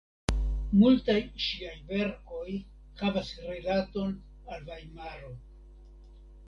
Multaj ŝiaj verkoj havas rilaton al Vajmaro.